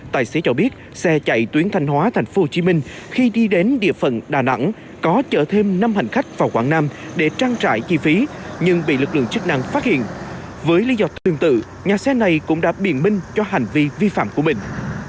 tài xế cho biết xe chạy tuyến thanh hóa tp hcm khi đi đến địa phận đà nẵng có chở thêm năm hành khách vào quảng nam để trang trải chi phí nhưng bị lực lượng chức năng phát hiện với lý do tương tự nhà xe này cũng đã biền minh cho hành vi vi phạm của mình